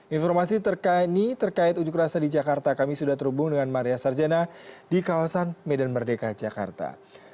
informasi terkait ujuk rasa di jakarta kami sudah terhubung dengan maria sarjana di kawasan medan merdeka jakarta